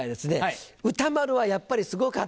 「歌丸はやっぱりすごかった」